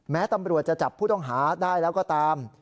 แม้ตำรวจจะจับผู้ต้องหาได้แล้วก็ตาม